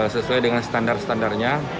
sesuai dengan standar standarnya